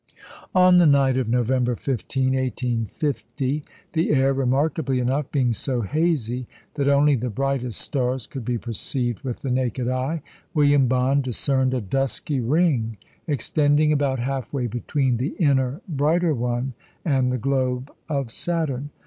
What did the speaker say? On the night of November 15, 1850 the air, remarkably enough, being so hazy that only the brightest stars could be perceived with the naked eye William Bond discerned a dusky ring, extending about halfway between the inner brighter one and the globe of Saturn.